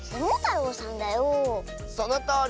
そのとおり！